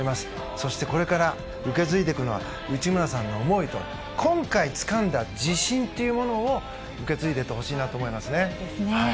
そしてこれから受け継いでいくのは内村さんの思いと今回つかんだ自信というものを受け継いでいってほしいなと思いますね。